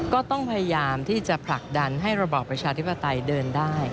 ก็ต้องพยายามที่จะผลักดันให้ระบอบประชาธิปไตยเดินได้